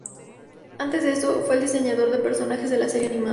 Antes de eso, fue el diseñador de personajes de la serie animada.